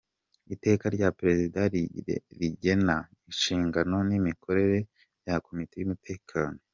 Iteka rya Perezida rigena inshingano n‟imikorere bya Komite y‟Umutekano ;